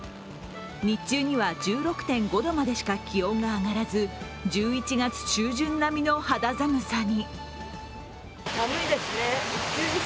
日中には１６．５度までしか気温が上がらず、１１月中旬並みの肌寒さに。